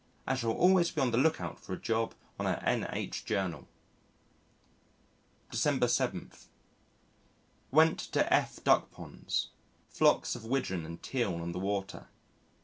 I shall always be on the look out for a job on a N.H. Journal. December 7. Went to F Duckponds. Flocks of Wigeon and Teal on the water.